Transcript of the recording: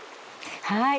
はい。